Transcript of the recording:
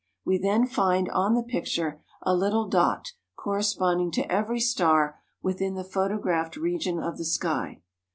We then find on the picture a little dot corresponding to every star within the photographed region of the sky.